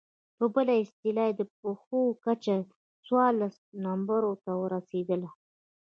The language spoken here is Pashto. په بله اصطلاح يې د پښو کچه څوارلس نمبرو ته رسېدله.